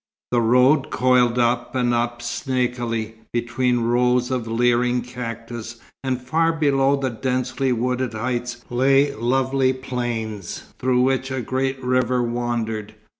The road coiled up and up snakily, between rows of leering cactus; and far below the densely wooded heights lay lovely plains through which a great river wandered.